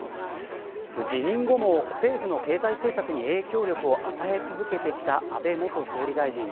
辞任後も政府の経済政策に影響力を与え続けてきた安倍元総理大臣。